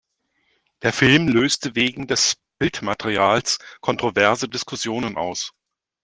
Der Film löste wegen des Bildmaterials kontroverse Diskussion aus.